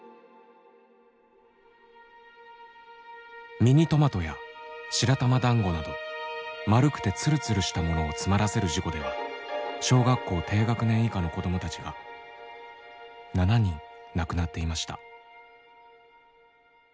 ミニトマトや白玉だんごなど丸くてつるつるしたものを詰まらせる事故では小学校低学年以下の子どもたちが７人亡くなっていました。